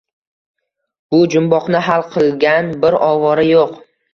Bu jumboqni hal qilgan bir ovora yo‘q